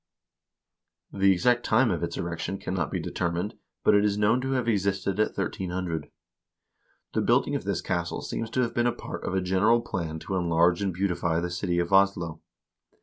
The exact time of its erection cannot be determined, but it is known to have existed in 1300. The building of this castle seems to have been a part of a general plan to enlarge and beautify the city of Oslo.